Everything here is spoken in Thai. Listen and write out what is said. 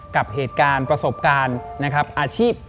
กับเหตุการณ์ประสบการณ์นะครับอาชีพ